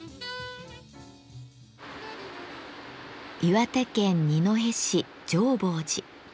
岩手県二戸市浄法寺。